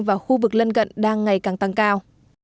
và khu vực lân cận đang ngày càng tăng cao